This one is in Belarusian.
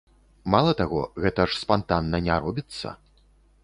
Мала таго, гэта ж спантанна не робіцца.